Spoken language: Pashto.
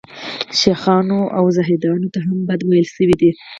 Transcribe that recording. شیخانو او زاهدانو ته هم بد ویل شوي دي.